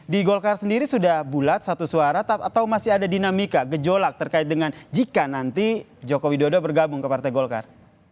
di golkar sendiri sudah bulat satu suara atau masih ada dinamika gejolak terkait dengan jika nanti joko widodo bergabung ke partai golkar